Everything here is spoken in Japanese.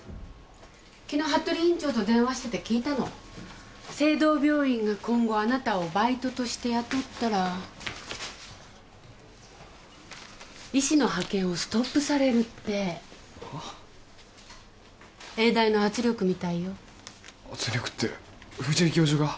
昨日服部院長と電話してて聞いたの誠同病院が今後あなたをバイトとして雇ったら医師の派遣をストップされるって永大の圧力みたいよ圧力って藤井教授が？